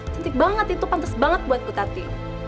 cantik banget itu pantas banget buat bu tati